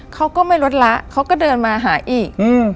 เขาก็ไม่ลดละเขาก็เดินมาหาอีก